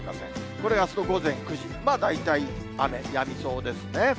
これがあすの午前９時、大体雨やみそうですね。